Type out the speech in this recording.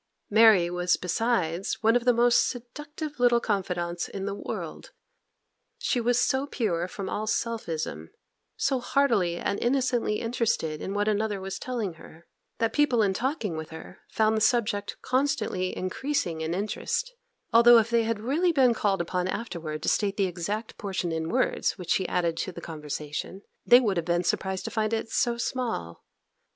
Mary was besides one of the most seductive little confidantes in the world. She was so pure from all selfism, so heartily and innocently interested in what another was telling her, that people in talking with her found the subject constantly increasing in interest; although if they had really been called upon afterwards to state the exact portion in words which she added to the conversation, they would have been surprised to find it so small.